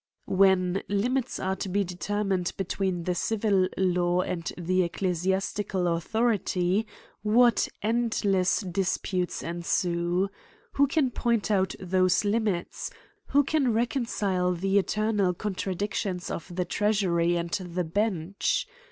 When limits are to be d^etermined between the civil law and the ecclesiastical authority, wJiat endless disputes ensue ! Who can point out those limits ? Who can reconcile the eternal contradic tions of the treasury and the bench